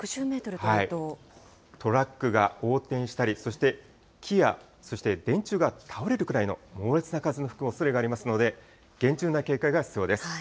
トラックが横転したり、そして木や、そして電柱が倒れるくらいの猛烈な風の吹くおそれがありますので、厳重な警戒が必要です。